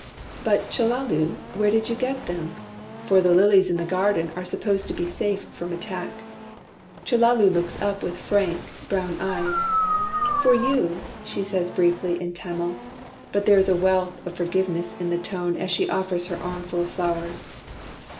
"But, Chellalu, where did you get them?" for the lilies in the garden are supposed to be safe from attack. Chellalu looks up with frank, brown eyes. "For you!" she says briefly in Tamil; but there is a wealth of forgiveness in the tone as she offers her armful of flowers.